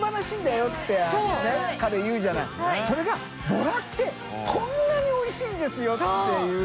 ボラってこんなにおいしいんですよっていう。